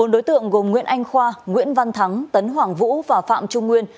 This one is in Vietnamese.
bốn đối tượng gồm nguyễn anh khoa nguyễn văn thắng tấn hoàng vũ và phạm trung nguyên